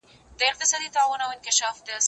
که وخت وي، ليک لولم؟